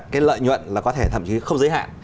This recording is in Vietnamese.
cái lợi nhuận là có thể thậm chí không giới hạn